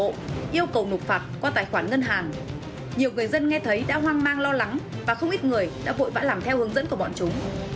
đây là cách mà các đối tượng gọi điện thoại yêu cầu nộp phạt qua tài khoản ngân hàng nhiều người dân nghe thấy đã hoang mang lo lắng và không ít người đã vội vã làm theo hướng dẫn của bọn chúng